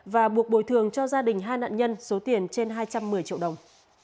và buộc bồi thường cho gia đình hai nạn nhân số tiền trên hai trăm một mươi triệu đồng